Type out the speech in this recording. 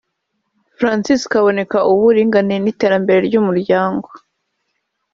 Francis Kaboneka; uw’Uburinganire n’Iterambere ry’Umuryango